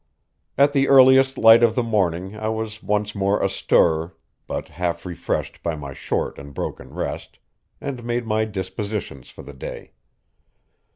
At the earliest light of the morning I was once more astir, but half refreshed by my short and broken rest, and made my dispositions for the day.